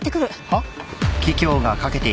はっ？